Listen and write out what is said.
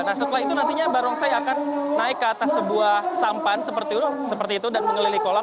nah setelah itu nantinya barongsai akan naik ke atas sebuah sampan seperti itu dan mengelilingi kolam